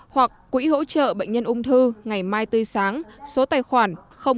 hoặc quỹ hỗ trợ bệnh nhân ung thư ngày mai tươi sáng số tài khoản hai không không không một bốn bốn tám ba chín một tám